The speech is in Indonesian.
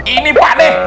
ini pak nih